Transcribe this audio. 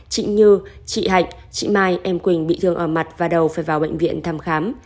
trịnh như chị hạnh chị mai em quỳnh bị thương ở mặt và đầu phải vào bệnh viện thăm khám